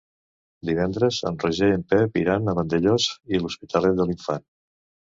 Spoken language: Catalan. Divendres en Roger i en Pep iran a Vandellòs i l'Hospitalet de l'Infant.